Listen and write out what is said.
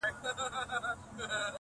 • ماشوم به څرنګه سړه شپه تر سهاره یوسی -